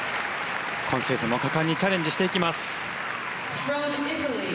今シーズンも果敢にチャレンジしていきます。